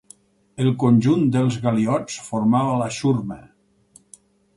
El conjunt dels galiots formava la xurma.